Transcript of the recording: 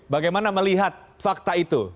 bagaimana melihat fakta itu